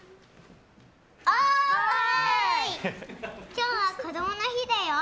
今日はこどもの日だよ！